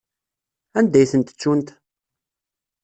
Anda i tent-ttunt?